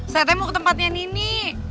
saya temu ke tempatnya nini